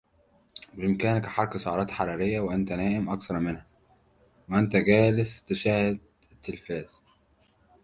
بإمكانك حرق سعرات حرارية وأنت نائم أكثر منها وانت جالس تشاهد التلفاز.